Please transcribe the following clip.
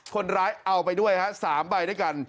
คนร้ายเอาไปด้วยฮะ๓ใบด้วยกัน